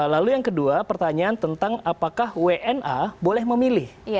lalu yang kedua pertanyaan tentang apakah wna boleh memilih